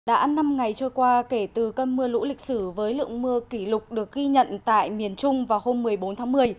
đã năm ngày trôi qua kể từ cơn mưa lũ lịch sử với lượng mưa kỷ lục được ghi nhận tại miền trung vào hôm một mươi bốn tháng một mươi